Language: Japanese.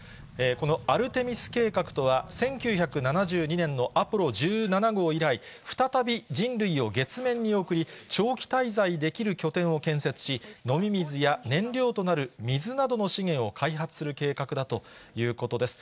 このアルテミス計画とは、１９７２年のアポロ１７号以来、再び人類を月面に送り、長期滞在できる拠点を建設し、飲み水や燃料となる水などの資源を開発する計画だということです。